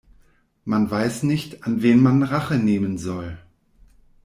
Man weiß nicht, an wem man Rache nehmen soll.